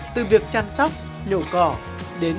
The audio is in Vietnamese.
từ việc chăm sóc nổ cỏ đến các phương pháp tự nhiên